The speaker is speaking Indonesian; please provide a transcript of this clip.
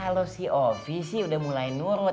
kalau si ovi sih udah mulai nurut